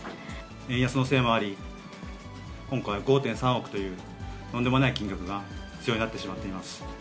円安のせいもあり、今回、５．３億という、とんでもない金額が必要になってしまっています。